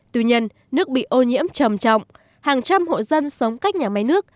tuy nhiên nước bị ô nhiễm trầm trọng hàng trăm hộ dân sống cách nhà máy nước